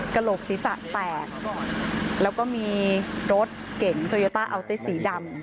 กระโหลกศีรษะแตกแล้วก็มีรถเก๋งโตโยต้าอัลเต้สีดำ